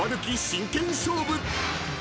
真剣勝負］